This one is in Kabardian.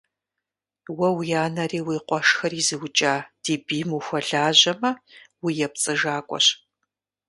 Уэ уи анэри уи къуэшхэри зыукӀа ди бийм ухуэлажьэмэ, уепцӀыжакӀуэщ!